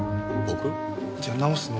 僕？